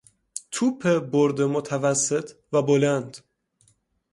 توپ برد متوسط و بلند